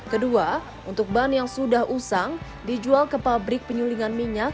kedua untuk ban yang sudah usang dijual ke pabrik penyulingan minyak